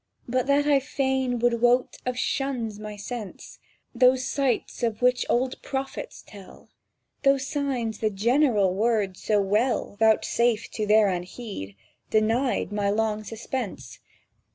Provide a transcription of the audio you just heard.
But that I fain would wot of shuns my sense— Those sights of which old prophets tell, Those signs the general word so well, Vouchsafed to their unheed, denied my long suspense.